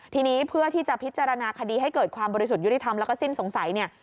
ทีนี้เพื่อที่จะพิจารณาคดีให้เกิดความบริสุทธิ์ยุติธรรมแล้วก็สิ้นสงสัยเนี่ย